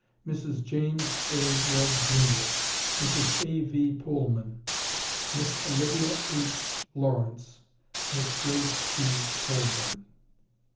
MRS. JAMES A. WEBB, JR. MRS. A. V. POHLMAN. MISS OLIVIA H. LAWRENCE. MISS GRACE T. COLBURN.